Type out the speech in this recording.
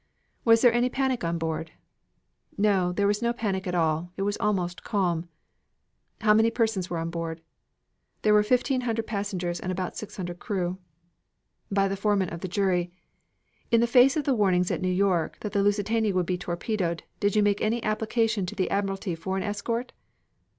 "Was there any panic on board?" "No, there was no panic at all. It was almost calm." "How many persons were on board?" "There were 1,500 passengers and about 600 crew." By the Foreman of the Jury "In the face of the warnings at New York that the Lusitania would be torpedoed, did you make any application to the admiralty for an escort?"